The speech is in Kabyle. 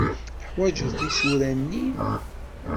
Teḥwajeḍ tisura-nni?